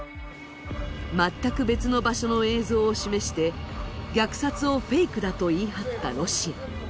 全く別の場所の映像を示して、虐殺をフェイクだと言い放ったロシア。